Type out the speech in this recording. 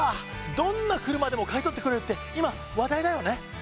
どんな車でも買い取ってくれるって今話題だよね。